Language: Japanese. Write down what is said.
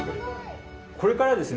これからですね